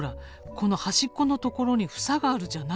この端っこの所にふさがあるじゃない？